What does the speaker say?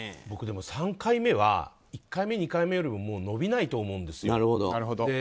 僕、３回目は１回目、２回目よりも伸びないと思うんですよ。